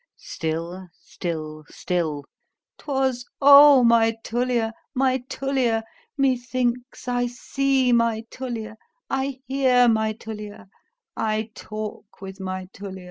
—still, still, still,—'twas O my Tullia!—my Tullia! Methinks I see my Tullia, I hear my Tullia, I talk with my _Tullia.